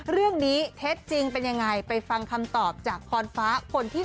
รวมถึงด้วยเวลาที่รัดกลุ่มมันก็ถามว่าเราทำมาถึงเราเต็มที่